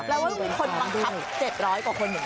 แปลว่ามีคนบังคับ๗๐๐กว่าคนเหมือนกัน